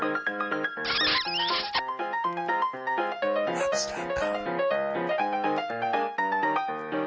ค่ะ